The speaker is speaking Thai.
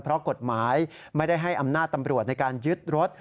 เพราะกฎหมายไม่ได้ให้อำนาจตำรวจในการยึดรถ